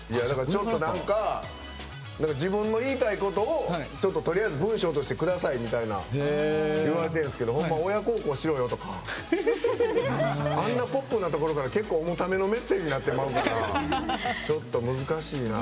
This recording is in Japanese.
ちょっと自分の言いたいことをちょっととりあえず文章としてくださいみたいな言われてるんですけど「親孝行しろよ」とかあんなポップなところから結構重ためのメッセージになってまうからちょっと難しいな。